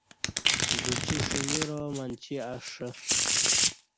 گوچی ݜݩگرامنچی اݜہ